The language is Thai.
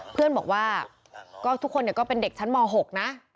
เพื่อนบอกว่าก็ทุกคนก็เป็นเด็กชั้นม๖นะ